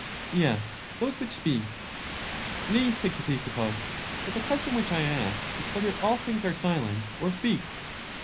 Yes; those which speak. \ Nay, said Ctesippus, but the question which I ask is whether all things are silent or speak?